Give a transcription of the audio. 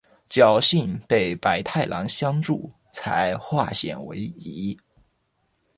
侥幸被百太郎相助才化险为夷。